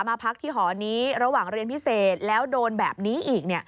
มาพักที่หอนี้ระหว่างเรียนพิเศษแล้วโดนแบบนี้อีก